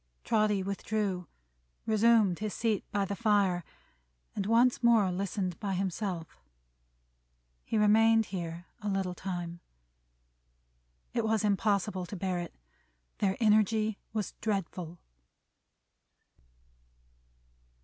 Trotty withdrew, resumed his seat by the fire, and once more listened by himself. He remained here a little time. It was impossible to bear it; their energy was dreadful.